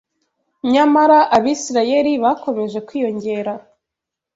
Nyamara Abisirayeli bakomeje kwiyongera